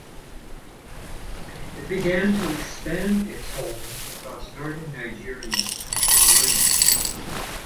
It began to expand its holdings across northern Nigeria and Cameroon.